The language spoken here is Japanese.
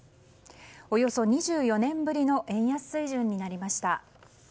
およそ２４年ぶりの円安水準になりました。